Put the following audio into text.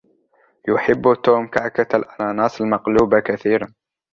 يحب توم كعكة الأناناس المقلوبة كثيرا.